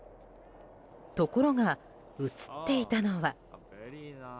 ところが、写っていたのは。